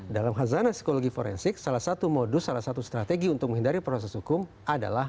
dalam hazana psikologi forensik salah satu modus salah satu strategi untuk menghindari proses hukum adalah